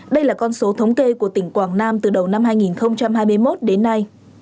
đây là con số thống kê của tỉnh quảng nam từ đầu năm hai nghìn hai mươi một đến nay